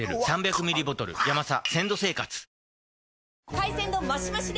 海鮮丼マシマシで！